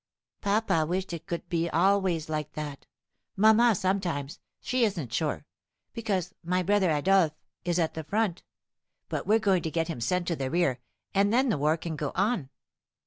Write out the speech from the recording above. Papa wished it could be always like that. Mamma, sometimes, she isn't sure, because my brother Adolphe is at the front. But we're going to get him sent to the rear, and then the war can go on."